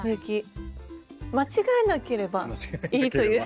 間違えなければいいという。